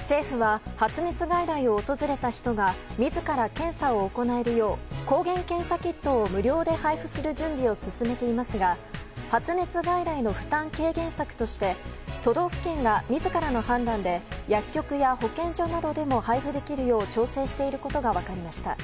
政府は発熱外来を訪れた人が自ら検査を行えるよう抗原検査キットを無料で配布する準備を進めていますが発熱外来の負担軽減策として都道府県が自らの判断で薬局や保健所などでも配布できるよう調整していることが分かりました。